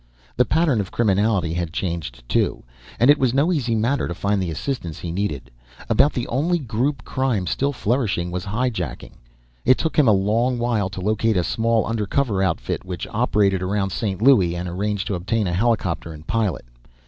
The pattern of criminality had changed, too, and it was no easy matter to find the assistance he needed. About the only group crime still flourishing was hijacking; it took him a long while to locate a small under cover outfit which operated around St. Louie and arrange to obtain a helicopter and pilot.